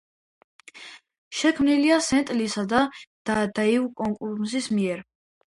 შექმნილია სტენ ლისა და დეივ კოკრუმის მიერ.